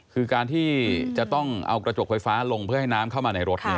คือการที่จะต้องเอากระจกไฟฟ้าลงเพื่อให้น้ำเข้ามาในรถ